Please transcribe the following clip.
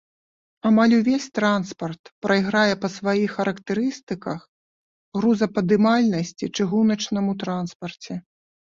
Амаль увесь транспарт прайграе па сваіх характарыстыках грузападымальнасці чыгуначнаму транспарце.